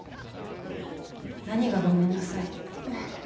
何が「ごめんなさい」？